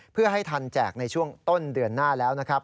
เพื่อให้ทันแจกในช่วงต้นเดือนหน้าแล้วนะครับ